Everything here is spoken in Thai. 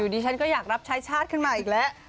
ดิฉันก็อยากรับใช้ชาติขึ้นมาอีกแล้ว